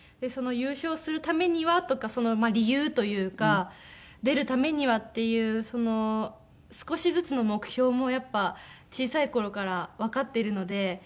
その優勝するためにはとかその理由というか出るためにはっていう少しずつの目標もやっぱり小さい頃からわかっているので。